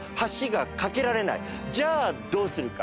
じゃあどうするか。